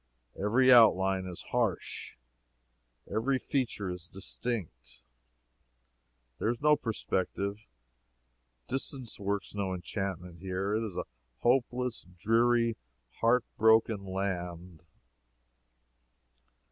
Every outline is harsh, every feature is distinct, there is no perspective distance works no enchantment here. It is a hopeless, dreary, heart broken land.